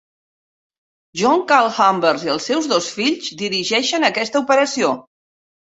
John "Cal" Harberts i els seus dos fills dirigeixen aquesta operació.